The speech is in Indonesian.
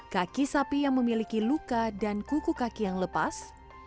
kaki sapi yang memiliki luka dan kuku kaki yang lepas